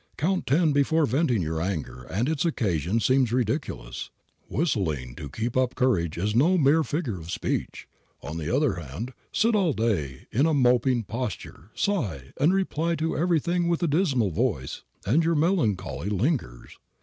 Count ten before venting your anger and its occasion seems ridiculous. Whistling to keep up courage is no mere figure of speech. On the other hand, sit all day in a moping posture, sigh, and reply to everything with a dismal voice, and your melancholy lingers.